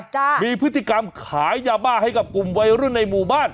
จ้ะมีพฤติกรรมขายยาบ้าให้กับกลุ่มวัยรุ่นในหมู่บ้าน